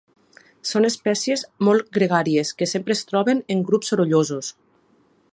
Són espècies molt gregàries que sempre es troben en grups sorollosos.